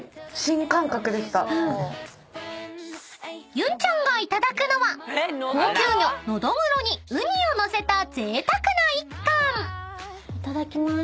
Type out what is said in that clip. ［ゆんちゃんがいただくのは高級魚ノドグロにウニを載せたぜいたくな１貫］いただきます。